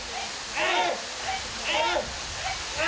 えい！